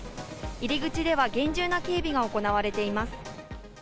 入り口では厳重な警備が行われています。